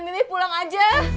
mimpi mimpi pulang aja